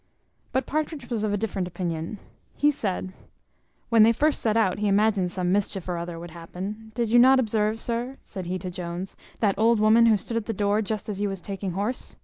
But Partridge was of a different opinion. He said, "When they first set out he imagined some mischief or other would happen. Did not you observe, sir," said he to Jones, "that old woman who stood at the door just as you was taking horse?